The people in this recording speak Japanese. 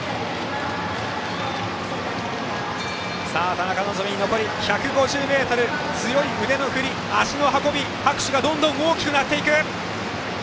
田中希実、強い腕の振り足の運び、拍手がどんどん大きくなっていく。